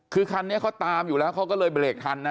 คือคันนี้เขาตามอยู่แล้วเขาก็เลยเบรกทันนะ